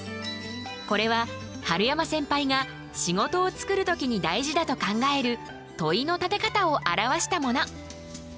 これは春山センパイが仕事を作る時に大事だと考える問いの立て方を表したもの。